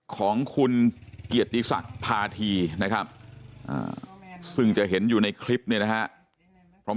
ของคุณเกียรติสัตว์ภาษีนะครับซึ่งจะเห็นอยู่ในคลิปนี่นะฮะ